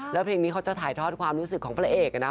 แล้วเพลงนี้เขาจะถ่ายทอดความรู้สึกของพระเอกนะ